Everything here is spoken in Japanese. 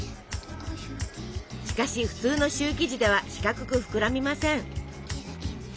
しかし普通のシュー生地では四角く膨らみません。